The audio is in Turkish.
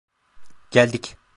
Geldik.